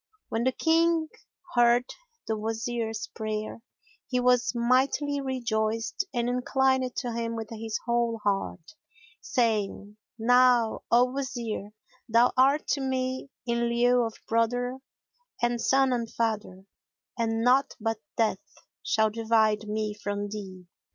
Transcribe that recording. When the King heard the Wazir's prayer, he was mightily rejoiced and inclined to him with his whole heart, saying, "Know, O Wazir, thou art to me in lieu of brother and son and father, and naught but death shall divide me from thee.